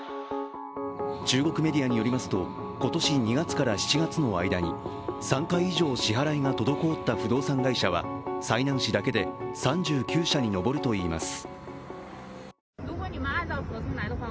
中国メディアによりますと今年２月から７月の間に３回以上支払いが滞った不動産会社は済南市だけで３９社に上るといいます。